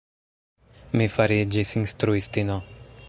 Mi fariĝis instruistino.